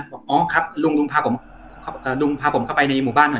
บอกอ๋อครับลุงลุงพาผมลุงพาผมเข้าไปในหมู่บ้านหน่อย